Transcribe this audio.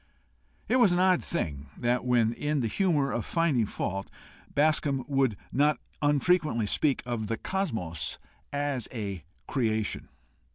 It was an odd thing that when in the humour of finding fault, Bascombe would not unfrequently speak of the cosmos as a creation.